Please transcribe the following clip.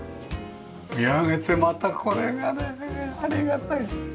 見上げてまたこれがねありがたい。